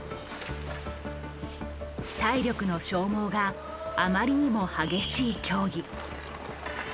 体力の消耗があまりにも激しい競技。